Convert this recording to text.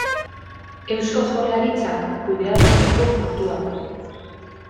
Eusko Jaurlaritzak kudeaturiko portua da.